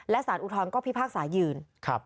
และสารอุทธรณ์ก็พิพากษายืน